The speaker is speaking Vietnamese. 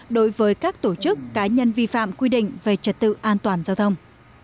đối với các tổ chức cá nhân vi phạm quy định về trật tự an toàn giao thông